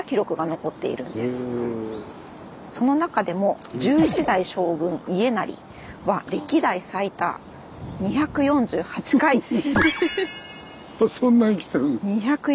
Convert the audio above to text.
その中でも１１代将軍家斉は歴代最多そんなに来てるの。